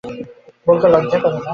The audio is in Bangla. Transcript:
বলতে লজ্জা করে না?